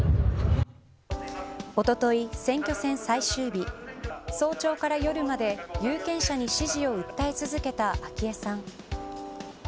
おととい、選挙戦最終日早朝から夜まで有権者に支持を訴え続けた昭恵さん。